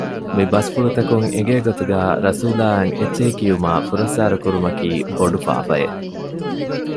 މި ބަސްފުޅުތަކުން އެނގޭ ގޮތުގައި ރަސޫލާއަށް އެއްޗެހި ކިޔުމާއި ފުރައްސާރަ ކުރުމަކީ ބޮޑު ފާފައެއް